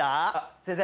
先生。